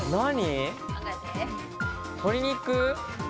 鶏肉。